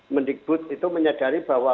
mendikbud itu menyadari bahwa